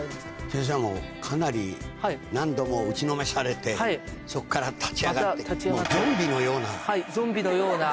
先生、かなり何度も打ちのめされて、そこから立ち上がって、もうゾンゾンビのような。